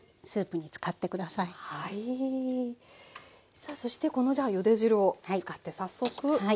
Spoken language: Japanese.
さあそしてこのじゃあゆで汁を使って早速１品。